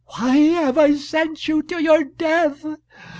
Why have I sent you to your death?